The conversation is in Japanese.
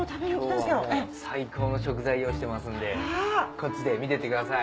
今日は最高の食材用意してますんでこっちで見てってください。